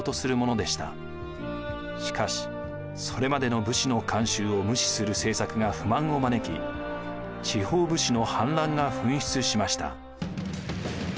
しかしそれまでの武士の慣習を無視する政策が不満を招き地方武士の反乱が噴出しました。